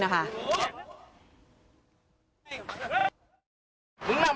มึงมาเมานะ